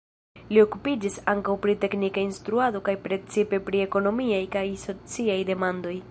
Li okupiĝis ankaŭ pri teknika instruado kaj precipe pri ekonomiaj kaj sociaj demandoj.